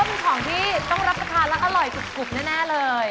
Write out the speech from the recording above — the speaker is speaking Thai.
เป็นของที่ต้องรับประทานและอร่อยกรุบแน่เลย